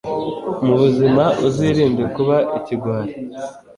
m' ubuzima uzirinde kuba ikigwari: